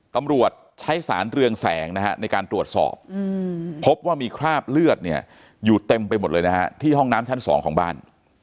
ตำรวจใช้สารเรืองแสงนะฮะในการตรวจสอบพบว่ามีคราบเลือดเนี่ยอยู่เต็มไปหมดเลยนะฮะที่ห้องน้ำชั้น๒ของบ้าน